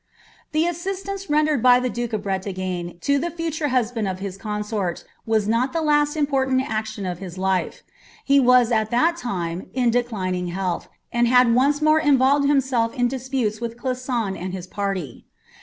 The assistance rendered by the duke of Bretagne to ilie futniv hat band of hia consort, was not the lost important action of his life, lit was, ai that time, in declining health, and had once more iavolred ium sell' in disputes with Clisson and his perty.